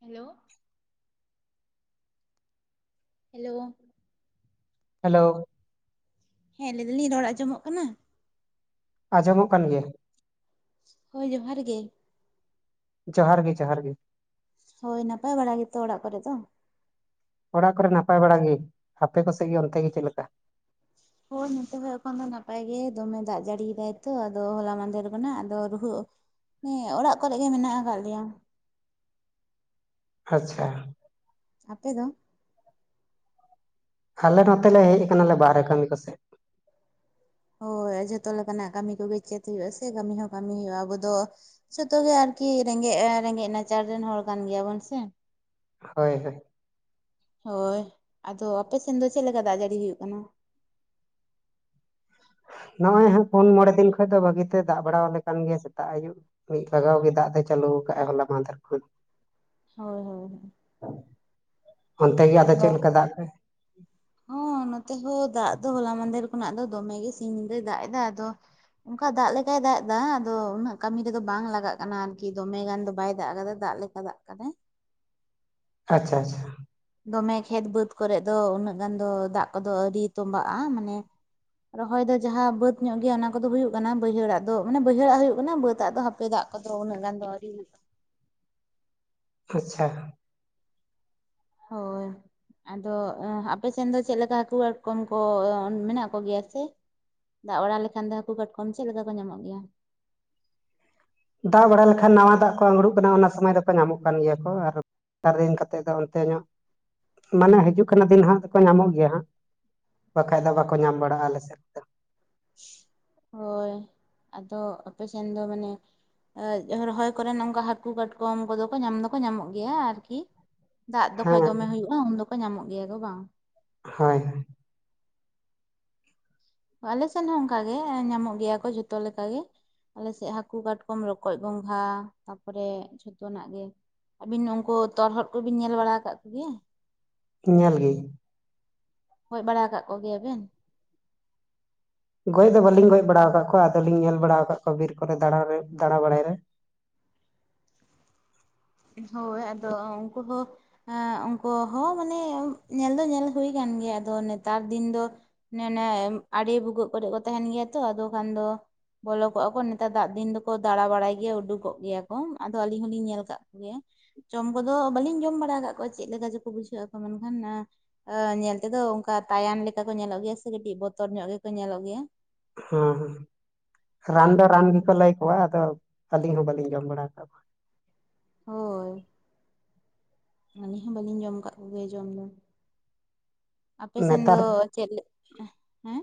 Hello hello hello ᱦᱮᱸ ᱞᱟᱹᱭ ᱫᱟᱞᱤᱧ ᱨᱚᱲ ᱟᱸᱡᱚᱢᱚᱜ ᱠᱟᱱᱟ ᱟᱸᱡᱚᱢᱚᱜ ᱠᱟᱱ ᱜᱮᱭᱟ ᱦᱳᱭ ᱡᱚᱦᱟᱨ ᱜᱮ ᱡᱚᱦᱟᱨ ᱜᱮ ᱡᱚᱦᱟᱨ ᱜᱮ ᱦᱳᱭ ᱱᱟᱯᱟᱭ ᱵᱟᱲᱟ ᱜᱮᱛᱚ ᱚᱲᱟᱜ ᱠᱚᱨᱮ ᱫᱚ ᱚᱲᱟᱜ ᱠᱚᱨᱮ ᱱᱟᱯᱟᱭ ᱵᱟᱲᱟ ᱜᱮ ᱟᱯᱮ ᱠᱚᱥᱮᱫ ᱜᱮ ᱚᱱᱛᱮ ᱜᱮ ᱪᱮᱫ ᱞᱮᱠᱟ ᱦᱳᱭ ᱱᱚᱛᱮ ᱦᱚᱸ ᱮᱠᱷᱚᱱ ᱫᱚ ᱱᱟᱯᱟᱭ ᱜᱮ ᱫᱚᱢᱮ ᱫᱟᱜ ᱡᱟᱹᱲᱤ ᱫᱟᱭ ᱛᱚ ᱟᱫᱚ ᱦᱚᱞᱟ ᱢᱟᱫᱮᱨ ᱠᱷᱚᱱᱟᱚᱜ ᱟᱫᱚ ᱨᱩᱨᱩ ᱦᱮᱸ ᱚᱲᱟᱜ ᱠᱚᱨᱮ ᱜᱮ ᱢᱮᱱᱟᱜ ᱟᱠᱟᱫ ᱞᱮᱭᱟ ᱟᱪᱪᱷᱟ ᱟᱯᱮ ᱫᱚ ᱟᱞᱮ ᱱᱚᱛᱮ ᱞᱮ ᱦᱮᱡ ᱟᱠᱟᱱᱟᱞᱮ ᱵᱟᱦᱨᱮ ᱠᱟᱹᱢᱤ ᱠᱚᱥᱮᱼᱼ ᱦᱳᱭ ᱡᱚᱛᱚ ᱞᱮᱠᱟᱱᱟᱜ ᱠᱟᱹᱢᱤ ᱠᱚᱜᱮ ᱪᱮᱫ ᱦᱩᱭᱩᱜ ᱟᱥᱮ ᱠᱟᱹᱢᱤ ᱦᱚᱸ ᱠᱟᱹᱢᱤ ᱦᱩᱭᱩᱜᱼᱟ ᱟᱵᱚ ᱫᱚ ᱡᱷᱚᱛᱚ ᱜᱮ ᱟᱨᱠᱤ ᱨᱮᱸᱜᱮᱡ ᱨᱮᱸᱜᱮᱡ ᱱᱟᱪᱟᱨ ᱨᱮᱱ ᱦᱚᱲ ᱠᱟᱱ ᱜᱮᱭᱟᱵᱚᱱ ᱥᱮ ᱦᱳᱭ ᱦᱳᱼᱼ ᱦᱳᱭ ᱟᱫᱚ ᱟᱯᱮ ᱥᱮᱱ ᱫᱚ ᱪᱮᱫ ᱞᱮᱠᱟ ᱫᱟᱜ ᱡᱟᱹᱲᱤ ᱦᱩᱭᱩᱜ ᱠᱟᱱᱟ ᱱᱚᱜᱼᱚᱭ ᱦᱟᱜ ᱯᱩᱱ ᱢᱚᱬᱮ ᱫᱤᱱ ᱠᱷᱚᱡ ᱫᱚ ᱵᱷᱟᱹᱜᱤᱛᱮ ᱫᱟᱜ ᱵᱟᱲᱟᱣᱟᱞᱮ ᱠᱟᱱ ᱜᱮᱭᱟ ᱥᱮᱛᱟᱜ ᱟᱹᱭᱩᱵ ᱢᱤᱫ ᱞᱟᱜᱟᱣ ᱜᱮ ᱫᱟᱜ ᱫᱚᱭ ᱪᱟᱹᱞᱩ ᱟᱠᱟᱫ ᱟᱭ ᱦᱚᱞᱟ ᱢᱟᱫᱷᱮᱨ ᱠᱷᱚᱱ ᱦᱳᱭ ᱦᱳᱭ ᱚᱱᱛᱮ ᱜᱮ ᱟᱫᱚ ᱪᱮᱫ ᱞᱮᱠᱟ ᱫᱟᱜ [unintelligible] ᱦᱚᱸ ᱱᱚᱛᱮ ᱦᱚᱸ ᱫᱟᱜ ᱫᱚ ᱦᱚᱞᱟ ᱢᱟᱫᱷᱮᱨ ᱠᱷᱚᱱᱟᱜ ᱫᱚ ᱫᱚᱢᱮ ᱜᱮ ᱥᱤᱧ ᱧᱤᱫᱟᱹᱭ ᱫᱟᱜ ᱮᱫᱟ ᱟᱫᱚ ᱚᱱᱠᱟ ᱫᱟᱜ ᱞᱮᱠᱟᱭ ᱫᱟᱜ ᱮᱫᱟ ᱟᱫᱚ ᱩᱱᱟᱹᱜ ᱠᱟᱹᱢᱤ ᱨᱮᱫᱚ ᱵᱟᱝ ᱞᱟᱜᱟᱜ ᱠᱟᱱᱟ ᱟᱨᱠᱤ ᱫᱚᱢᱮ ᱜᱟᱱ ᱫᱚ ᱵᱟᱭ ᱫᱟᱜ ᱠᱟᱫᱟ ᱫᱟᱜ ᱞᱮᱠᱟ ᱪᱟᱫᱟᱜ ᱠᱟᱱᱟᱭ ᱟᱪᱪᱷᱟ ᱟᱪᱪᱷᱟ ᱫᱚᱢᱮ ᱠᱷᱮᱛ ᱵᱟᱹᱫᱽ ᱠᱚᱨᱮᱜ ᱫᱚ ᱩᱱᱟᱹᱜ ᱜᱟᱱ ᱫᱚ ᱫᱟᱜ ᱠᱚᱫᱚ ᱟᱹᱣᱨᱤ ᱛᱵᱟᱜᱼᱟ ᱢᱟᱱᱮ ᱨᱚᱦᱚᱭ ᱫᱚ ᱡᱟᱦᱟ ᱵᱟᱹᱫᱽ ᱧᱚᱜ ᱜᱮᱭᱟ ᱚᱱᱟ ᱠᱚᱫᱚ ᱦᱩᱭᱩᱜ ᱠᱟᱱᱟ ᱵᱟᱹᱭᱦᱟᱹᱲᱟᱜ ᱫᱚ ᱢᱟᱱᱮ ᱵᱟᱹᱭᱦᱟᱹᱲᱟᱜ ᱦᱩᱭᱩᱜ ᱠᱟᱱᱟ ᱵᱟᱹᱫ ᱟᱜ ᱫᱚ ᱦᱟᱯᱮᱫᱟᱜ ᱟᱫᱚ ᱩᱱᱟᱹᱜ ᱜᱟᱱᱫᱚ ᱟᱹᱣᱨᱤ ᱦᱩᱭᱩᱜ-ᱟ ᱟᱪᱪᱷᱟ ᱦᱳᱭ ᱟᱫᱚ ᱟᱯᱮ ᱥᱮᱱ ᱫᱚ ᱪᱮᱫ ᱞᱮᱠᱟ ᱦᱟᱹᱠᱩ ᱠᱟᱴᱠᱚᱢ ᱠᱚ ᱢᱮᱱᱟᱜ ᱠᱚᱜᱮᱭᱟ ᱥᱮ ᱫᱟᱜ ᱵᱟᱲᱟ ᱞᱮᱠᱷᱟᱱ ᱫᱚ ᱦᱟᱹᱠᱩ ᱠᱟᱴᱠᱚᱢ ᱪᱮᱫ ᱞᱮᱠᱟ ᱠᱚ ᱧᱟᱢᱚᱜ ᱜᱮᱭᱟ ᱫᱟᱜ ᱵᱟᱲᱟ ᱞᱮᱠᱷᱟᱱ ᱱᱟᱣᱟ ᱫᱟᱜ ᱠᱚ [unintelligible] ᱠᱟᱱᱟ ᱚᱱᱟ ᱥᱚᱢᱚᱭ ᱫᱚᱠᱚ ᱧᱟᱢᱚᱜ ᱠᱟᱱ ᱜᱮᱭᱟ ᱠᱚ ᱟᱨ ᱛᱟᱨᱮᱧ ᱠᱟᱛᱮ ᱫᱚ ᱚᱱᱛᱮ ᱧᱚᱜ ᱢᱟᱱᱮ ᱦᱤᱡᱩᱜ ᱠᱟᱱᱟ ᱫᱤᱱ ᱦᱟᱸᱜ ᱫᱚ ᱧᱟᱢᱚᱜ ᱜᱮᱭᱟ ᱦᱟᱸᱜ ᱵᱟᱠᱷᱟᱡ ᱫᱚ ᱵᱟᱠᱚ ᱧᱟᱢ ᱵᱟᱲᱟᱜᱼᱟ ᱟᱞᱮᱥᱮᱫ ᱫᱚ ᱦᱳᱭ ᱟᱫᱚ ᱟᱯᱮᱥᱮᱱ ᱫᱚ ᱢᱟᱱᱮ ᱟᱡ ᱨᱚᱦᱚᱭ ᱠᱚᱨᱮᱱ ᱚᱱᱠᱟ ᱦᱟᱹᱠᱩ ᱠᱟᱴᱠᱚᱢ ᱠᱚᱫᱚ ᱠᱚ ᱧᱟᱢ ᱫᱚᱠᱚ ᱧᱟᱢᱚᱜ ᱜᱮᱭᱟ ᱟᱨᱠᱤ ᱫᱟᱜ ᱫᱚᱠᱷᱚᱡ ᱦᱮᱸ ᱫᱚᱢᱮ ᱦᱩᱭᱩᱜᱼᱟ ᱩᱱ ᱫᱚᱠᱚ ᱧᱟᱢᱚᱜ ᱜᱮᱭᱟ ᱠᱚ ᱵᱟᱝ ᱦᱳᱭ ᱦᱳᱭ ᱟᱞᱮ ᱥᱮᱫ ᱦᱚᱸ ᱚᱱᱠᱟᱜ ᱜᱮ ᱧᱟᱢᱚᱜ ᱜᱮᱭᱟ ᱠᱚ ᱡᱷᱚᱛᱚ ᱞᱮᱠᱟ ᱜᱮ ᱟᱞᱮᱥᱮᱫ ᱦᱟᱹᱠᱩ ᱠᱟᱴᱠᱚᱢ ᱨᱚᱠᱚᱡ ᱜᱚᱸᱜᱷᱟ ᱛᱟᱯᱚᱨᱮ ᱡᱷᱚᱛᱚᱱᱟᱜ ᱜᱮ ᱟᱹᱵᱤᱱ ᱩᱱᱠᱩ ᱛᱚᱨᱦᱚᱫ ᱠᱚᱵᱤᱱ ᱧᱮᱞ ᱵᱟᱲᱟ ᱟᱠᱟᱫ ᱠᱚᱜᱮᱭᱟ ᱧᱮᱞᱜᱮᱤᱧ ᱜᱚᱡ ᱵᱟᱲᱟ ᱟᱠᱟᱜ ᱠᱚᱜᱮᱭᱟᱵᱮᱱ ᱜᱚᱡ ᱫᱚ ᱵᱟᱹᱞᱤᱧ ᱜᱚᱡ ᱵᱟᱲᱟ ᱟᱠᱟᱫ ᱠᱚᱣᱟ ᱟᱫᱚᱞᱤᱧ ᱧᱮᱞ ᱵᱟᱲᱟ ᱟᱠᱟᱫ ᱠᱚᱣᱟ ᱵᱤᱨ ᱠᱚᱨᱮ ᱫᱟᱬᱟ ᱨᱮ ᱫᱟᱬᱟᱵᱟᱲᱟᱭ ᱨᱮ ᱦᱳᱭ ᱟᱫᱚ ᱩᱱᱠᱩ ᱦᱚᱸ ᱦᱮᱸ ᱩᱱᱠᱩ ᱦᱚᱸ ᱢᱟᱱᱮ ᱧᱮᱞ ᱫᱚ ᱧᱮᱞ ᱦᱩᱭ ᱠᱟᱱ ᱜᱮᱭᱟ ᱟᱫᱚ ᱱᱮᱛᱟᱨ ᱫᱤᱱ ᱫᱚ ᱱᱮ ᱱᱮ ᱟᱹᱲᱤ ᱵᱷᱩᱜᱟᱹᱜ ᱠᱚᱨᱮ ᱠᱚ ᱛᱟᱦᱮᱱ ᱜᱮᱭᱟ ᱛᱚ ᱟᱫᱚ ᱠᱷᱟᱱ ᱫᱚ ᱵᱚᱞᱚ ᱠᱚᱜᱼᱟ ᱠᱚ ᱱᱮᱛᱟᱨ ᱫᱟᱜ ᱫᱤᱱ ᱫᱚᱠᱚ ᱫᱟᱬᱟ ᱵᱟᱲᱟᱭ ᱜᱮᱭᱟ ᱩᱰᱩᱠᱚᱜ ᱜᱮᱭᱟ ᱠᱚ ᱟᱫᱚ ᱟᱹᱞᱤᱧ ᱦᱚᱞᱤᱧ ᱧᱮᱞ ᱠᱟᱜ ᱜᱮᱭᱟ ᱡᱚᱢ ᱠᱚᱫᱚ ᱵᱟᱹᱞᱤᱧ ᱡᱚᱢ ᱵᱟᱲᱟ ᱟᱠᱟᱫ ᱠᱚᱣᱟ ᱪᱮᱫ ᱞᱮᱠᱟ ᱪᱚᱠᱚ ᱵᱩᱡᱷᱟᱹᱜ ᱟᱠᱚ ᱢᱮᱱᱠᱷᱟᱱ ᱟᱹ ᱧᱮᱞ ᱛᱮᱫᱚ ᱚᱱᱠᱟ ᱛᱟᱭᱟᱱ ᱞᱮᱠᱟ ᱠᱚ ᱧᱮᱞᱚᱜ ᱜᱮᱭᱟ ᱥᱮ ᱠᱟᱹᱴᱤᱡ ᱵᱚᱛᱚᱨ ᱧᱚᱜ ᱜᱮᱠᱚ ᱧᱮᱞᱚᱜ ᱜᱮᱭᱟ ᱦᱩᱸ ᱦᱩᱸ ᱨᱟᱱᱫᱚ ᱨᱟᱱ ᱜᱮᱠᱚ ᱞᱮᱭ ᱠᱚᱣᱟ ᱟᱫᱚ ᱟᱹᱞᱤᱧ ᱦᱚᱸ ᱵᱟᱹᱞᱤᱧ ᱡᱚᱢ ᱵᱟᱲᱟ ᱟᱠᱟᱫ ᱠᱚᱣᱟ ᱦᱳᱭ ᱟᱹᱞᱤᱧ ᱦᱚᱸ ᱵᱟᱹᱞᱤᱧ ᱡᱚᱢ ᱠᱟᱜ ᱠᱚᱜᱮᱭᱟ ᱡᱚᱢ ᱫᱚ ᱟᱯᱮ ᱥᱮᱱ ᱫᱚ ᱱᱮᱛᱟᱨ ᱪᱮᱫᱞᱮ ᱦᱮᱸ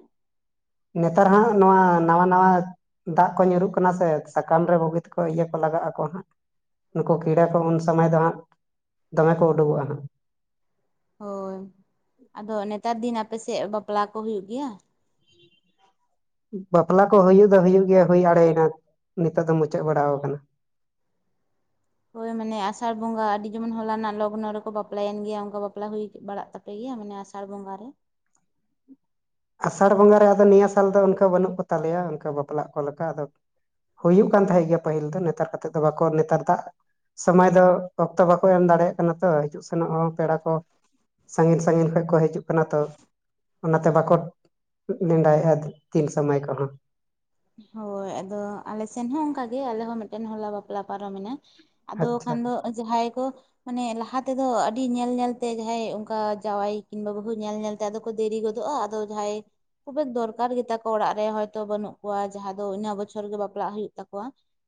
ᱱᱮᱛᱟᱨ ᱦᱟᱸᱜ ᱱᱚᱣᱟ ᱱᱟᱣᱟ ᱱᱟᱣᱟ ᱫᱟᱜ ᱠᱚ ᱧᱩᱨᱩᱜ ᱠᱟᱱᱟ ᱥᱮ ᱥᱟᱠᱟᱢ ᱨᱮ ᱵᱩᱜᱤ ᱛᱮᱠᱚ ᱤᱭᱟᱹ ᱠᱚ ᱞᱟᱜᱟᱜ ᱟᱠᱚ ᱦᱟᱸᱜ ᱱᱩᱠᱩ ᱠᱤᱲᱟᱹ ᱠᱚ ᱩᱱ ᱥᱚᱢᱚᱭ ᱫᱚ ᱦᱟᱸᱜ ᱫᱚᱢᱮ ᱠᱚ ᱩᱰᱩᱠᱚᱜᱼᱟ ᱦᱟᱸᱜ ᱦᱳᱭ ᱟᱫᱚ ᱱᱮᱛᱟᱨ ᱫᱤᱱ ᱟᱯᱮᱥᱮᱫ ᱵᱟᱯᱞᱟ ᱠᱚ ᱦᱩᱭᱩᱜ ᱜᱮᱭᱟ ᱵᱟᱯᱞᱟ ᱠᱚ ᱦᱩᱭᱩᱜ ᱫᱚ ᱦᱩᱭᱩᱜ ᱜᱮᱭᱟ ᱦᱩᱭ ᱟᱲᱮᱭᱮᱱᱟ ᱱᱤᱛᱚᱜ ᱫᱚ ᱢᱩᱪᱟᱹᱫ ᱵᱟᱲᱟᱣ ᱟᱠᱟᱱᱟ ᱦᱳᱭ ᱢᱟᱱᱮ ᱟᱥᱟᱲ ᱵᱚᱸᱜᱟ ᱟᱹᱰᱤ ᱡᱮᱢᱚᱱ ᱦᱚᱞᱟ ᱨᱮᱱᱟᱜ ᱞᱚᱜᱚᱱᱚ ᱨᱮᱠᱚ ᱵᱟᱯᱞᱟᱭᱮᱱ ᱜᱮᱭᱟ ᱚᱱᱠᱟ ᱵᱟᱯᱞᱟ ᱦᱩᱭ ᱵᱟᱲᱟᱜ ᱛᱟᱜ ᱜᱮᱭᱟ ᱢᱟᱱᱮ ᱟᱥᱟᱲ ᱵᱚᱸᱜᱟ ᱨᱮ ᱟᱥᱟᱲ ᱵᱚᱸᱜᱟᱨᱮ ᱟᱫᱚ ᱱᱤᱭᱟᱹ ᱥᱟᱞ ᱫᱚ ᱚᱱᱠᱟ ᱵᱟᱹᱱᱩᱜ ᱠᱚᱛᱟᱞᱮᱭᱟ ᱚᱱᱠᱟ ᱵᱟᱯᱞᱟᱜ ᱠᱚ ᱞᱮᱠᱟ ᱟᱫᱚ ᱦᱩᱭᱩᱜ ᱠᱟᱱ ᱛᱟᱦᱮᱸᱫ ᱜᱮᱭᱟ ᱯᱟᱹᱦᱤᱞ ᱫᱚ ᱱᱮᱛᱟᱨ ᱠᱟᱛᱮᱜ ᱫᱚ ᱵᱟᱠᱚ ᱱᱮᱛᱟᱨ ᱫᱟᱜ ᱥᱚᱢᱚᱭ ᱫᱚ ᱚᱠᱛᱚ ᱵᱟᱠᱚ ᱮᱢ ᱫᱟᱲᱮᱭᱟᱜ ᱠᱟᱱᱟ ᱛᱚ ᱦᱤᱡᱩᱜ ᱥᱮᱱᱚᱜ ᱦᱚᱸ ᱯᱮᱲᱟ ᱠᱚ ᱥᱟᱺᱜᱤᱧ ᱥᱟᱺᱜᱤᱧ ᱠᱷᱚᱱ ᱠᱚ ᱦᱤᱡᱩᱜ ᱠᱟᱱᱟ ᱛᱚ ᱚᱱᱟᱛᱮ ᱵᱟᱠᱚ ᱱᱮᱰᱟᱭᱮᱟ ᱛᱤᱱ ᱥᱚᱢᱚᱭ ᱠᱚ ᱦᱳᱭ ᱟᱫᱚ ᱟᱞᱮ ᱥᱮᱱ ᱦᱚᱸ ᱚᱱᱠᱟᱜᱮ ᱟᱞᱮ ᱦᱚᱸ ᱢᱤᱫᱴᱮᱱ ᱦᱚᱞᱟ ᱵᱟᱯᱞᱟ ᱯᱟᱨᱚᱢᱮᱱᱟ ᱟᱫᱚ ᱟᱪᱪᱷᱟ ᱠᱷᱟᱱ ᱫᱚ ᱡᱟᱦᱟᱸᱭ ᱠᱚ ᱢᱟᱱᱮ ᱞᱟᱦᱟ ᱛᱮᱫᱚ ᱟᱹᱰᱤ ᱧᱮᱞ ᱧᱮᱞᱛᱮ ᱡᱟᱦᱟᱸᱭ ᱚᱱᱠᱟ ᱡᱟᱶᱟᱭ ᱠᱤᱢᱵᱟ ᱵᱟᱹᱦᱩ ᱧᱮᱞ ᱧᱮᱞᱛᱮ ᱟᱫᱚ ᱠᱚ ᱫᱮᱨᱤ ᱜᱚᱫᱚᱜᱼᱟ ᱟᱫᱚ ᱡᱟᱦᱟᱸᱭ ᱠᱷᱩᱵᱮ ᱫᱚᱨᱠᱟᱨ ᱜᱮᱛᱟ ᱠᱚ ᱚᱲᱟᱜ ᱨᱮ ᱦᱚᱭᱛᱚ ᱵᱟᱹᱱᱩᱜ ᱠᱚᱣᱟ ᱡᱟᱦᱟᱸ ᱫᱚ ᱤᱱᱟᱹᱜ ᱵᱚᱪᱷᱚᱨ ᱜᱮ ᱵᱟᱯᱞᱟᱜ ᱦᱩᱭᱩᱜ ᱛᱟᱠᱚᱣᱟ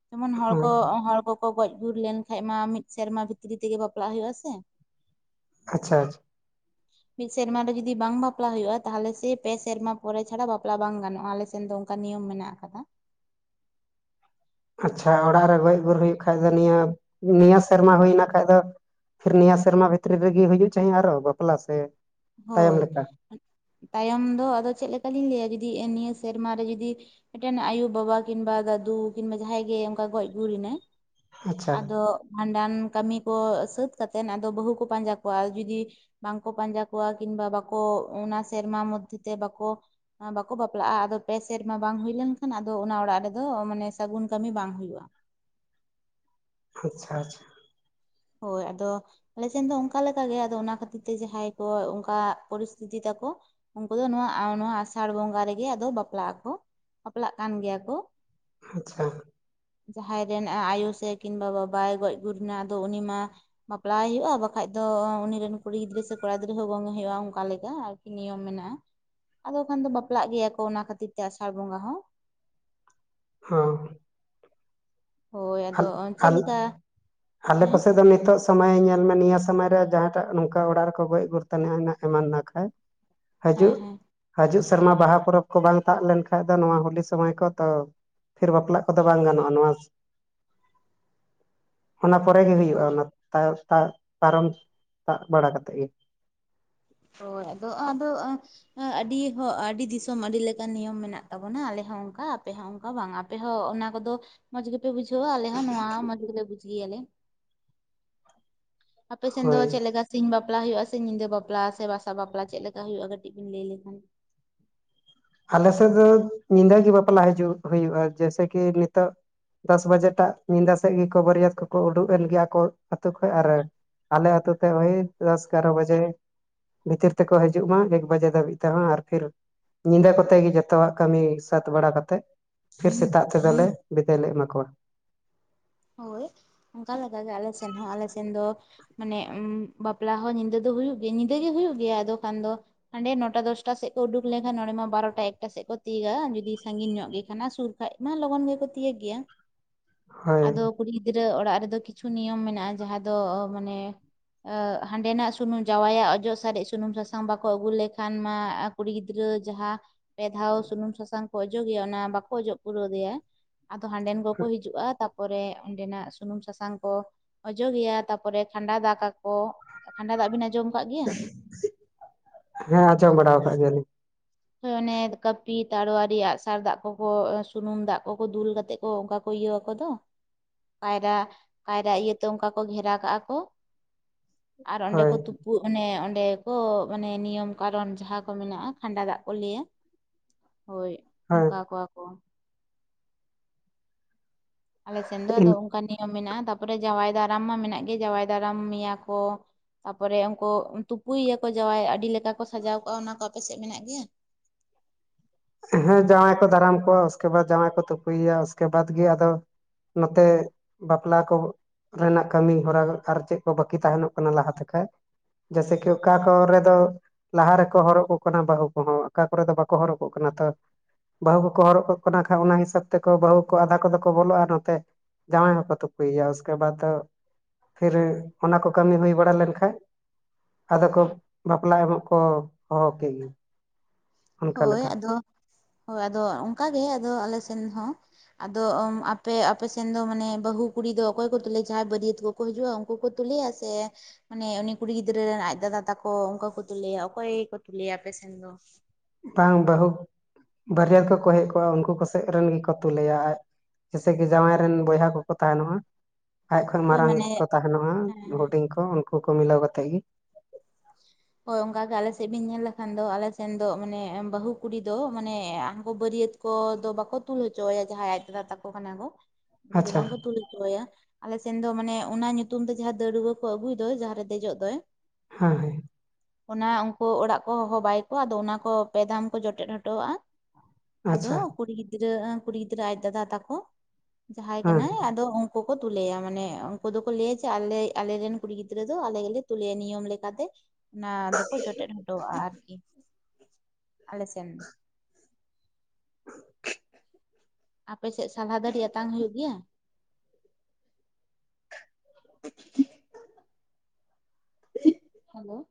ᱡᱮᱢᱚᱱ ᱦᱚᱲ ᱠᱚ ᱦᱳᱭ ᱦᱚᱲ ᱠᱚ ᱠᱚ ᱜᱚᱡ ᱜᱩᱨ ᱞᱮᱱ ᱠᱷᱟᱡ ᱢᱟ ᱢᱤᱫ ᱥᱮᱨᱢᱟ ᱵᱷᱤᱛᱨᱤ ᱛᱮᱜᱮ ᱵᱟᱯᱞᱟᱜ ᱦᱩᱭᱩᱜ-ᱟ ᱥᱮ ᱟᱪᱪᱷᱟ ᱟᱪᱷᱟ [inaudible] ᱢᱤᱫ ᱥᱮᱨᱢᱟ ᱨᱮ ᱡᱩᱫᱤ ᱵᱟᱝ ᱵᱟᱯᱞᱟ ᱦᱩᱭᱩᱜ-ᱟ ᱛᱟᱦᱚᱞᱮ ᱥᱮᱭ ᱯᱮ ᱥᱮᱨᱢᱟ ᱯᱚᱨᱮ ᱪᱷᱟᱰᱟ ᱵᱟᱯᱞᱟ ᱵᱟᱝ ᱜᱟᱱᱚᱜ-ᱟ ᱟᱞᱮ ᱥᱮᱱ ᱫᱚ ᱚᱱᱠᱟ ᱱᱤᱭᱚᱢ ᱢᱮᱱᱟᱜ ᱟᱠᱟᱫᱟ ᱟᱪᱪᱷᱟ ᱚᱲᱟᱜ ᱨᱮ ᱜᱚᱡ ᱜᱩᱨ ᱦᱩᱭᱩᱜ ᱠᱷᱟᱱ ᱫᱚ ᱱᱤᱭᱟᱹ ᱱᱤᱭᱟᱹ ᱥᱮᱨᱢᱟ ᱦᱩᱭᱱᱟ ᱠᱷᱟᱡ ᱫᱚ ᱯᱷᱤᱨ ᱱᱤᱭᱟᱹ ᱥᱮᱨᱢᱟ ᱵᱷᱤᱛᱨᱤ ᱨᱮᱜᱮ ᱦᱩᱭᱩᱜ ᱪᱟᱸᱦᱮ ᱟᱨᱚ ᱵᱟᱯᱞᱟ ᱥᱮ ᱛᱟᱭᱚᱢ ᱦᱳᱭ ᱞᱮᱠᱟ ᱛᱟᱭᱚᱢ ᱫᱚ ᱟᱫᱚ ᱪᱮᱫ ᱞᱮᱠᱟᱞᱤᱧ ᱞᱟᱹᱭᱟ ᱡᱩᱫᱤ ᱱᱤᱭᱟᱹ ᱥᱮᱨᱢᱟ ᱨᱮ ᱡᱩᱫᱤ ᱢᱤᱫᱴᱮᱱ ᱟᱭᱳ ᱵᱟᱵᱟ ᱠᱤᱱᱵᱟ ᱫᱟᱫᱩ ᱠᱤᱱᱵᱟ ᱡᱟᱦᱟᱸᱭ ᱜᱮ ᱚᱱᱠᱟ ᱜᱚᱡ ᱜᱩᱨ ᱮᱱᱟᱭ ᱟᱪᱪᱷᱟ ᱟᱫᱚ ᱵᱷᱟᱸᱰᱟᱱ ᱠᱟᱹᱢᱤ ᱠᱚ ᱥᱟᱹᱛ ᱠᱟᱛᱮᱫ ᱟᱫᱚ ᱵᱟᱹᱦᱩ ᱠᱚ ᱯᱟᱸᱡᱟ ᱠᱚᱣᱟ ᱡᱩᱫᱤ ᱵᱟᱝᱠᱚ ᱯᱟᱸᱡᱟ ᱠᱚ ᱠᱚᱣᱟ ᱠᱤᱝᱵᱟ ᱵᱟᱠᱚ ᱚᱱᱟ ᱥᱮᱨᱢᱟ ᱢᱚᱫᱽᱫᱷᱮ ᱛᱮ ᱵᱟᱠᱚ ᱵᱟᱠᱚ ᱵᱟᱯᱞᱟᱜ-ᱟ ᱟᱫᱚ ᱯᱮ ᱥᱮᱨᱢᱟ ᱵᱟᱝ ᱦᱩᱭ ᱞᱮᱱᱠᱷᱟᱱ ᱟᱫᱚ ᱚᱱᱟ ᱚᱲᱟᱜ ᱨᱮᱫᱚ ᱢᱟᱱᱮ ᱥᱟᱹᱜᱩᱱ ᱠᱟᱹᱢᱤ ᱵᱟᱝ ᱦᱩᱭᱩᱜ-ᱟ ᱟᱪᱪᱷᱟ ᱟᱪᱪᱷᱟ ᱦᱳᱭ ᱟᱫᱚ ᱟᱞᱮ ᱥᱮᱱ ᱫᱚ ᱚᱱᱠᱟ ᱞᱮᱠᱟ ᱜᱮ ᱟᱫᱚ ᱚᱱᱟ ᱠᱷᱟᱹᱛᱤᱨ ᱛᱮ ᱡᱟᱦᱟᱸᱭ ᱠᱚ ᱚᱱᱠᱟ ᱯᱚᱨᱤᱥᱛᱤᱛᱷᱤ ᱛᱟᱠᱚ ᱩᱱᱠᱩ ᱫᱚ ᱱᱚᱣᱟ ᱱᱚᱣᱟ ᱟᱥᱟᱲ ᱵᱚᱸᱜᱟ ᱨᱮᱜᱮ ᱟᱫᱚ ᱵᱟᱯᱞᱟᱜ ᱟᱠᱚ ᱵᱟᱯᱞᱟᱜ ᱠᱟᱱ ᱜᱮᱭᱟ ᱠᱚ ᱟᱪᱪᱷᱟ ᱡᱟᱦᱟᱸᱭ ᱨᱮᱱ ᱟᱭᱳ ᱥᱮ ᱠᱤᱱ ᱵᱟᱵᱟ ᱵᱟᱭ ᱜᱚᱡ ᱜᱩᱨ ᱮᱱᱟ ᱟᱫᱚ ᱩᱱᱤ ᱢᱟ ᱵᱟᱯᱞᱟᱭᱮ ᱦᱩᱭᱩᱜ-ᱟ ᱵᱟᱠᱷᱟᱡ ᱫᱚ ᱩᱱᱤ ᱨᱮᱱ ᱠᱩᱲᱤ ᱜᱤᱫᱽᱨᱟᱹ ᱥᱮ ᱠᱚᱲᱟ ᱜᱤᱫᱽᱨᱟᱹ ᱦᱚᱸ ᱜᱚᱝᱮ ᱦᱩᱭᱩᱜ-ᱟ ᱚᱱᱠᱟ ᱞᱮᱠᱟ ᱱᱤᱭᱚᱢ ᱢᱮᱱᱟᱜ-ᱟ ᱟᱫᱚ ᱠᱷᱟᱱ ᱫᱚ ᱵᱟᱯᱞᱟᱜ ᱜᱮᱭᱟ ᱠᱚ ᱚᱱᱟ ᱠᱷᱟᱹᱛᱤᱨ ᱛᱮ ᱟᱥᱟᱲ ᱵᱚᱸᱜᱟ ᱦᱚᱸ ᱦᱚᱸ ᱦᱳᱭ ᱟᱫᱚ ᱪᱮᱫ ᱟᱞ ᱞᱮᱠᱟ ᱟᱞᱮ ᱦᱮᱸ ᱠᱚᱥᱮᱫ ᱫᱚ ᱱᱤᱛᱚᱜ ᱥᱚᱢᱚᱭ ᱧᱮᱞ ᱢᱮ ᱱᱤᱭᱟᱹ ᱥᱚᱢᱚᱭ ᱨᱮ ᱡᱟᱦᱟᱸᱴᱟᱜ ᱱᱚᱝᱠᱟ ᱚᱲᱟᱜ ᱨᱮᱠᱚ ᱜᱚᱡ ᱜᱩᱨ ᱛᱟᱱᱤᱡ ᱮᱱᱟ ᱮᱢᱟᱱ ᱮᱱᱟ ᱠᱷᱟᱭ ᱦᱟᱡᱩᱜ ᱦᱮᱸ ᱦᱮᱸ ᱦᱟᱡᱩᱜ ᱥᱮᱨᱢᱟ ᱵᱟᱦᱟ ᱯᱚᱨᱚᱵᱽ ᱠᱚ ᱵᱟᱝ ᱛᱟᱜ ᱞᱮᱱᱠᱷᱟᱱ ᱫᱚ ᱱᱚᱣᱟ ᱦᱳᱞᱤ ᱥᱚᱢᱚᱭ ᱠᱚ ᱛᱚ ᱯᱷᱤᱨ ᱵᱟᱯᱞᱟᱜ ᱠᱚᱫᱚ ᱵᱟᱝ ᱜᱟᱱᱚᱜ-ᱟ ᱱᱚᱣᱟ ᱚᱱᱟ ᱯᱚᱨᱮ ᱜᱮ ᱦᱩᱭᱩᱜ-ᱟ ᱦᱳᱭ ᱚᱱᱟ ᱛᱟᱭ ᱛᱟ ᱯᱟᱨᱚᱢ ᱛᱟᱵ ᱵᱟᱲᱟ ᱠᱟᱛᱮ ᱜᱮ ᱦᱚᱭ ᱟᱫᱚ ᱟᱫᱚᱜ-ᱟ ᱟᱹᱰᱤ ᱦᱚ ᱟᱹᱰᱤ ᱫᱤᱥᱚᱢ ᱟᱹᱰᱤ ᱞᱮᱠᱟᱱ ᱱᱤᱭᱚᱢ ᱢᱮᱱᱟᱜ ᱛᱟᱵᱚᱱᱟ ᱟᱞᱮ ᱦᱚᱸ ᱚᱱᱠᱟ ᱟᱯᱮ ᱦᱚᱸ ᱚᱱᱠᱟ ᱵᱟᱝ ᱟᱯᱮ ᱟᱯᱮ ᱦᱚᱸ ᱚᱱᱟ ᱠᱚᱫᱚ ᱢᱚᱸᱡᱽ ᱜᱮᱯᱮ ᱵᱩᱡᱷᱟᱹᱣᱟ ᱟᱞᱮ ᱦᱚᱸ ᱱᱚᱣᱟ ᱢᱚᱸᱡᱽ ᱜᱮᱞᱮ ᱵᱩᱡ ᱜᱮᱭᱟ ᱞᱮ ᱟᱯᱮ ᱥᱮᱱ ᱫᱚ ᱦᱳᱭ ᱪᱮᱫ ᱞᱮᱠᱟ ᱥᱤᱧ ᱵᱟᱯᱞᱟ ᱦᱩᱭᱩᱜ-ᱟ ᱥᱮ ᱧᱤᱫᱟᱹ ᱵᱟᱯᱞᱟ ᱥᱮ ᱵᱟᱥᱟ ᱵᱟᱯᱞᱟ ᱪᱮᱫ ᱞᱮᱠᱟ ᱦᱩᱭᱩᱜ-ᱟ ᱠᱟᱹᱴᱤᱡ ᱵᱤᱱ ᱞᱟᱹᱭ ᱞᱮᱠᱷᱟᱱ ᱟᱞᱮ ᱥᱮᱫ ᱫᱚ ᱧᱤᱫᱟᱹ ᱜᱮ ᱵᱟᱯᱞᱟ ᱦᱤᱡᱩᱜ ᱦᱩᱭᱩᱜ-ᱟ ᱡᱮᱭᱥᱮ ᱠᱤ ᱱᱤᱛᱚᱜ ᱫᱚᱥ ᱵᱟᱡᱮ ᱴᱟᱜ ᱧᱤᱫᱟᱹ ᱥᱮᱫ ᱜᱮᱠᱚ ᱵᱟᱹᱨᱭᱟᱹᱛ ᱠᱚᱠᱚ ᱩᱰᱩᱠ ᱮᱱ ᱜᱮ ᱟᱠᱚ ᱟᱹᱛᱩ ᱠᱷᱚᱱᱚᱡ ᱟᱨ ᱟᱞᱮ ᱟᱛᱩ ᱛᱮ ᱣᱦᱤ ᱫᱚᱥ ᱮᱜᱟᱨᱚ ᱵᱟᱡᱮ ᱵᱷᱤᱛᱤᱨ ᱛᱮᱠᱚ ᱦᱤᱡᱩᱜ ᱢᱟ ᱮᱠ ᱵᱟᱡᱮ ᱫᱷᱟᱹᱵᱤᱡ ᱛᱮᱦᱚᱸ ᱟᱨ ᱯᱷᱤᱨ ᱧᱤᱫᱟᱹ ᱠᱚᱛᱮ ᱜᱮ ᱡᱚᱛᱚᱣᱟᱜ ᱠᱟᱹᱢᱤ ᱥᱟᱹᱛ ᱵᱟᱲᱟ ᱠᱟᱛᱮᱜ ᱯᱷᱤᱨ ᱥᱮᱛᱟᱜ ᱛᱮᱫᱚ ᱞᱮ ᱵᱤᱫᱟᱹᱭ ᱞᱮ ᱮᱢᱟ ᱠᱚᱣᱟ ᱦᱳᱭ ᱚᱱᱠᱟ ᱞᱮᱠᱟ ᱜᱮ ᱟᱞᱮ ᱥᱮᱱ ᱦᱚᱸ ᱟᱞᱮ ᱥᱮᱱ ᱫᱚ ᱢᱟᱱᱮ ᱵᱟᱯᱞᱟ ᱦᱚᱸ ᱧᱤᱫᱟᱹ ᱫᱚ ᱦᱩᱭᱩᱜ ᱜᱮᱭᱟ ᱧᱤᱫᱟᱹ ᱜᱮ ᱦᱩᱭᱩᱜ ᱜᱮᱭᱟ ᱟᱫᱚ ᱠᱷᱟᱱ ᱫᱚ ᱦᱟᱸᱰᱮ ᱱᱚᱴᱟ ᱫᱚᱥᱴᱟ ᱥᱮᱫ ᱠᱚ ᱩᱰᱩᱠ ᱞᱮᱱᱠᱷᱟᱱ ᱱᱚᱸᱰᱮ ᱢᱟ ᱵᱟᱨᱚᱴᱟ ᱮᱠᱴᱟ ᱥᱮᱫ ᱠᱚ ᱛᱤᱭᱩᱜᱟ ᱡᱩᱫᱤ ᱥᱟᱺᱜᱤᱧ ᱧᱚᱜ ᱜᱮ ᱠᱟᱱᱟ ᱥᱩᱨ ᱠᱷᱟᱡ ᱢᱟ ᱞᱚᱜᱚᱱ ᱜᱮᱠᱚ ᱛᱤᱭᱟᱹᱜ ᱜᱮᱭᱟ ᱦᱳᱭ ᱟᱫᱚ ᱠᱩᱲᱤ ᱜᱤᱫᱽᱨᱟᱹ ᱚᱲᱟᱜ ᱨᱮᱫᱚ ᱠᱤᱪᱷᱩ ᱱᱤᱭᱚᱢ ᱢᱮᱱᱟᱜ-ᱟ ᱡᱟᱦᱟᱸ ᱫᱚ ᱢᱟᱱᱮ ᱦᱟᱸᱰᱮᱱᱟᱜ ᱥᱩᱱᱩᱢ ᱡᱟᱶᱟᱭᱟᱜ ᱚᱡᱚᱜ ᱥᱟᱨᱮᱡ ᱥᱩᱱᱩᱢ ᱥᱟᱥᱟᱝ ᱵᱟᱠᱚ ᱟᱹᱜᱩ ᱞᱮᱠᱷᱟᱱ ᱢᱟ ᱟᱠ ᱠᱩᱲᱤ ᱜᱤᱫᱽᱨᱟᱹ ᱡᱟᱦᱟᱸ ᱯᱮ ᱫᱷᱟᱣ ᱥᱩᱱᱩᱢ ᱥᱟᱥᱟᱝ ᱠᱚ ᱚᱡᱚᱜᱮᱭᱟ ᱚᱱᱟ ᱵᱟᱠᱚ ᱚᱡᱚᱜ ᱯᱩᱨᱟᱹᱣ ᱮᱫᱮᱭᱟ ᱟᱫᱚ ᱦᱟᱸᱰᱮᱱ ᱠᱚᱠᱚ ᱦᱤᱡᱩᱜ-ᱟ ᱛᱵ ᱯᱚᱨᱮ ᱚᱸᱰᱮᱱᱟᱜ ᱥᱩᱱᱩᱢ ᱥᱟᱥᱟᱝ ᱠᱚ ᱚᱡᱚᱜᱮᱭᱟ ᱛᱟᱯᱚᱨᱮ ᱠᱷᱟᱸᱰᱟ ᱫᱟᱠᱟ ᱠᱚ ᱠᱷᱟᱸᱰᱟ ᱫᱟᱜ ᱵᱤᱱ ᱟᱸᱡᱚᱢ ᱟᱠᱟᱫ ᱜᱮᱭᱟ ᱦᱮᱸ ᱟᱸᱡᱚᱢ ᱵᱟᱲᱟᱣ ᱟᱠᱟᱫ ᱜᱮᱭᱟ ᱞᱤᱧ ᱚᱱᱮ ᱠᱟᱹᱯᱤ ᱛᱟᱨᱣᱟᱨᱤ ᱨᱮᱭᱟᱜ ᱟᱜᱥᱟᱨ ᱫᱟᱜ ᱠᱚᱠᱚ ᱥᱩᱱᱩᱢ ᱫᱟᱜ ᱠᱚᱠᱚ ᱫᱩᱞ ᱠᱟᱛᱮᱜ ᱚ ᱚᱱᱠᱟ ᱠᱚ ᱤᱭᱟᱹ ᱣᱠᱚ ᱫᱚ ᱠᱟᱭᱨᱟ ᱠᱟᱭᱨᱟ ᱤᱭᱟᱹᱛᱮ ᱚᱱᱠᱟ ᱠᱚ ᱜᱷᱮᱨᱟ ᱠᱟᱜᱼᱟ ᱠᱚ ᱟᱨ ᱚᱸᱰᱮ ᱦᱳᱭ ᱠᱚ ᱛᱩᱯᱩᱜ ᱚᱱᱮ ᱚᱸᱰᱮ ᱠᱚ ᱢᱟᱱᱮ ᱱᱤᱭᱚᱢ ᱠᱟᱨᱚᱱ ᱡᱟᱦᱟᱸ ᱠᱚ ᱢᱮᱱᱟᱜᱼᱟ ᱠᱷᱟᱸᱰᱟ ᱫᱟᱜ ᱠᱚ ᱞᱟᱹᱭᱟ ᱦᱳᱭ ᱦᱳᱭ ᱚᱱᱠᱟ ᱠᱚᱣᱟ ᱠᱚ ᱟᱞᱮ ᱥᱮᱱ ᱫᱚ ᱟᱫᱚ ᱚᱱᱠᱟ ᱱᱤᱭᱚᱢ ᱢᱮᱱᱟᱜᱼᱟ ᱛᱟᱨᱯᱚᱨᱮ ᱡᱟᱶᱟᱭ ᱫᱟᱨᱟᱢ ᱢᱟ ᱢᱮᱱᱟᱜ ᱜᱮ ᱡᱟᱶᱟᱭ ᱫᱟᱨᱟᱢ ᱢᱮᱭᱟ ᱠᱚ ᱛᱟᱯᱚᱨᱮ ᱩᱱᱠᱩ ᱛᱩᱯᱩᱭ ᱮᱭᱟᱠᱚ ᱡᱟᱶᱟᱭ ᱟᱹᱰᱤ ᱞᱮᱠᱟ ᱠᱚ ᱥᱟᱡᱟᱣ ᱠᱚᱜᱼᱟ ᱚᱱᱟ ᱠᱚ ᱟᱯᱮ ᱥᱮᱫ ᱢᱮᱱᱟᱜ ᱜᱮᱭᱟ ᱦᱮᱸ ᱡᱟᱶᱟᱭ ᱠᱚ ᱫᱟᱨᱟᱢ ᱠᱚᱣᱟᱼᱟ ᱩᱥᱠᱮ ᱵᱟᱫᱽ ᱡᱟᱶᱟᱭ ᱠᱚ ᱛᱩᱯᱩᱭᱮᱭᱟ ᱩᱥᱠᱮ ᱵᱟᱫᱽ ᱜᱮ ᱟᱫᱚ ᱱᱚᱛᱮ ᱵᱟᱯᱞᱟ ᱠᱚ ᱨᱮᱱᱟᱜ ᱠᱟᱹᱢᱤ ᱦᱚᱨᱟ ᱟᱨ ᱪᱮᱫ ᱠᱚ ᱵᱟᱹᱠᱤ ᱛᱟᱦᱮᱱᱚᱜ ᱠᱟᱱᱟ ᱞᱟᱦᱟ ᱛᱮᱠᱟᱭ ᱡᱮᱭᱥᱮᱼᱠᱤ ᱚᱠᱟ ᱠᱚᱨᱮ ᱫᱚ ᱞᱟᱦᱟ ᱨᱮᱠᱚ ᱦᱚᱨᱚᱜ ᱠᱟᱠᱚ ᱠᱟᱱᱟ ᱵᱟᱹᱦᱩ ᱠᱚᱦᱚᱸ ᱚᱠᱟ ᱠᱚᱨᱮ ᱫᱚ ᱵᱟᱠᱚ ᱦᱚᱨᱚᱜ ᱠᱚᱜ ᱠᱟᱱᱟ ᱛᱚ ᱵᱟᱹᱦᱩ ᱠᱚᱠᱚ ᱦᱚᱨᱚᱜ ᱠᱟᱠᱚ ᱠᱟᱱᱟ ᱠᱷᱟᱭ ᱚᱱᱟ ᱦᱤᱥᱟᱹᱵ ᱛᱮᱠᱚ ᱵᱟᱹᱦᱩ ᱠᱚ ᱟᱫᱷᱟ ᱠᱚᱫᱚ ᱠᱚ ᱵᱚᱞᱚᱜ-ᱟ ᱟᱨ ᱱᱚᱛᱮ ᱡᱟᱢᱟᱭ ᱦᱚᱸᱠᱚ ᱛᱩᱯᱩ ᱭᱮᱭᱟ ᱩᱥᱠᱮᱵᱟᱫ ᱯᱷᱤᱨ ᱚᱱᱟ ᱠᱚ ᱠᱟᱹᱢᱤ ᱦᱩᱭ ᱵᱟᱲᱟ ᱞᱮᱱ ᱠᱷᱟᱭ ᱟᱫᱚ ᱠᱚ ᱵᱟᱯᱞᱟ ᱮᱢᱚᱜ ᱠᱚ ᱦᱚᱦᱚ ᱠᱮᱜ ᱜᱤ ᱦᱳᱭ ᱟᱫᱚ ᱦᱳᱭ ᱟᱫᱚ ᱚᱱᱠᱟ ᱜᱮ ᱟᱫᱚ ᱟᱞᱮ ᱥᱮᱱ ᱦᱚᱸ ᱟᱫᱚ ᱟᱯᱮ ᱟᱯᱮᱥᱮᱱ ᱫᱚ ᱢᱟᱱᱮ ᱵᱟᱹᱦᱩ ᱠᱩᱲᱤ ᱫᱚ ᱚᱠᱚᱭ ᱠᱚ ᱛᱩᱞᱟᱹᱭᱟ ᱡᱟᱦᱟᱸᱭ ᱵᱟᱹᱨᱭᱟᱹᱛ ᱠᱚ ᱦᱤᱡᱩᱜᱼᱟ ᱩᱱᱠᱩ ᱠᱚ ᱛᱩᱞᱮᱭᱟ ᱥᱮ ᱢᱟᱱᱮ ᱩᱱᱤ ᱠᱩᱲᱤ ᱜᱤᱫᱽᱨᱟᱹ ᱟᱡ ᱫᱟᱫᱟ ᱛᱟᱠᱚ ᱚᱱᱠᱟ ᱠᱚ ᱛᱩᱞᱮᱭᱟ ᱚᱠᱚᱭ ᱠᱚ ᱛᱩᱞᱮᱭᱟ ᱟᱯᱮ ᱥᱮᱱ ᱫᱚ? ᱵᱟᱝ ᱵᱟᱹᱦᱩ ᱵᱟᱹᱨᱭᱟᱹᱛ ᱠᱚᱠᱚ ᱦᱮᱡ ᱠᱚᱜᱼᱟ ᱩᱱᱠᱩ ᱠᱚᱥᱮᱫ ᱨᱮᱱ ᱜᱮᱠᱚ ᱛᱩᱞᱟᱹᱭᱟ ᱟᱡ᱾ ᱡᱮᱭᱥᱮ ᱠᱤ ᱡᱟᱶᱟᱭ ᱨᱮᱱ ᱵᱚᱭᱦᱟ ᱠᱚᱠᱚ ᱛᱟᱦᱮᱱ ᱟ ᱟᱡ ᱠᱷᱚᱡ ᱦᱳᱭ ᱢᱟᱨᱟᱝ ᱢᱟᱱᱮ ᱠᱚ ᱛᱟᱦᱮᱱᱼᱟ ᱦᱮᱸ ᱦᱮᱸ ᱦᱩᱰᱤᱝ ᱠᱚ ᱩᱱᱠᱩ ᱠᱚ ᱢᱤᱞᱟᱹᱣ ᱠᱟᱛᱮᱫ ᱜᱮ᱾ ᱦᱳᱭ ᱚᱱᱠᱟᱜᱮ ᱟᱞᱮ ᱥᱮᱫ ᱵᱮᱱ ᱧᱮᱞ ᱞᱮᱠᱷᱟᱱ ᱫᱚ ᱟᱞᱮ ᱥᱮᱱ ᱫᱚ ᱢᱟᱱᱮ ᱵᱟᱹᱦᱩ ᱠᱩᱲᱤ ᱫᱚ ᱢᱟᱱᱮ ᱦᱟᱝᱠᱩ ᱵᱟᱹᱨᱭᱟᱹᱛ ᱩᱱ ᱠᱚ ᱫᱚ ᱵᱟᱠᱚ ᱛᱩᱞ ᱦᱚᱪᱚ ᱟᱭᱟ ᱡᱟᱦᱟᱸᱭ ᱟᱡ ᱫᱟᱫᱟ ᱛᱟᱠᱚ ᱠᱟᱱᱟ ᱠᱚ ᱩᱱᱠᱩ ᱫᱚ ᱟᱪᱪᱷᱟ ᱵᱟᱝᱠᱚ ᱛᱩᱞ ᱦᱚᱪᱚ ᱟᱭᱟ᱾ ᱟᱞᱮᱥᱮᱱ ᱫᱚ ᱢᱟᱱᱮ ᱚᱱᱟ ᱧᱩᱛᱩᱢ ᱛᱮ ᱡᱟᱦᱟᱸ ᱫᱟᱹᱲᱣᱟᱹ ᱠᱚ ᱟᱹᱜᱩᱭ ᱫᱚ ᱡᱟᱦᱟᱸ ᱨᱮ ᱫᱮᱡᱚᱜ ᱫᱚᱭ ᱦᱟᱸ ᱦᱮ᱾ ᱚᱱᱟ ᱩᱱᱠᱩ ᱚᱲᱟᱜ ᱠᱚ ᱦᱚᱦᱚ ᱵᱟᱭ ᱠᱚᱣᱟ ᱟᱫᱚ ᱚᱱᱟ ᱠᱚ ᱯᱮ ᱫᱷᱟᱢ ᱠᱚ ᱡᱚᱴᱮᱫ ᱦᱚᱴᱚ ᱣᱟᱜᱼᱟ ᱟᱫᱚ ᱟᱪᱪᱷᱟ ᱠᱩᱲᱤ ᱜᱤᱫᱽᱨᱟᱹ ᱠᱩᱲᱤ ᱜᱤᱫᱽᱨᱟᱹ ᱟᱡᱽ ᱫᱟᱫᱟ ᱛᱟᱠᱚ ᱡᱟᱦᱟᱸᱭ ᱦᱮᱸ ᱠᱟᱱᱟᱭ ᱟᱫᱚ ᱩᱱ ᱠᱚᱠᱚ ᱛᱩᱞᱟᱹᱭᱟ ᱢᱟᱱᱮ ᱩᱱᱠᱩ ᱫᱚᱠᱚ ᱞᱟᱹᱭᱟ ᱡᱮ ᱟᱞᱮ ᱟᱞᱮᱨᱮᱱ ᱠᱩᱲᱤ ᱜᱤᱫᱽᱨᱟᱹ ᱫᱚ ᱟᱞᱮ ᱜᱮᱞᱮ ᱛᱩᱞᱟᱹᱭᱟ ᱱᱤᱭᱚᱢ ᱞᱮᱠᱟᱛᱮ ᱚᱱᱟ ᱫᱚᱠᱚ ᱡᱚᱴᱮᱫ ᱦᱚᱴᱚᱣᱟᱜᱼᱟ ᱟᱨᱠᱤ ᱟᱞᱮ ᱥᱮᱱ᱾ ᱟᱯᱮ ᱥᱮᱫ ᱥᱟᱞᱦᱟ ᱫᱟᱹᱲᱤ ᱟᱛᱟᱝ ᱦᱩᱭᱩᱜ ᱜᱮᱭᱟ? [inaudible] ᱦᱮᱞᱳ᱾